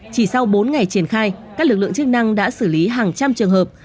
chỉ sau bốn ngày triển khai các lực lượng chức năng đã xử lý hàng trăm trường hợp